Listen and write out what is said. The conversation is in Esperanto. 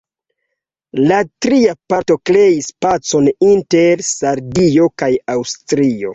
La tria parto kreis pacon inter Sardio kaj Aŭstrio.